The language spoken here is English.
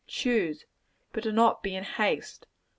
Choose; but do not be in haste.